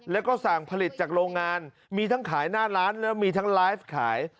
แล้วก็สั่งผลิตจากโรงงานมีทั้งขายหน้าร้านแล้วมีทั้งไลฟ์ขาย